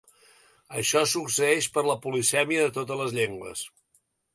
Això succeeix per la polisèmia de totes les llengües.